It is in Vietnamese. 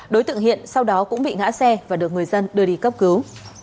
đối tượng hiện sau đó cũng bị ngã xe và được người dân đưa đi cấp cứu